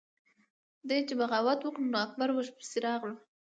ده چې بغاوت وکړو نو اکبر ورپسې راغلو۔